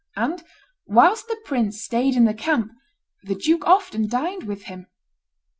And whilst the prince staid in the camp, the duke often dined with him.